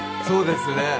そうですか。